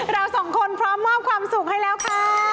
เราสองคนพร้อมมอบความสุขให้แล้วค่ะ